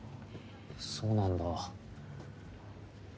そうなんだ。